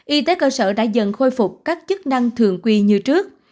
y tế cơ sở đã dần khôi phục các chức năng thường quy như trước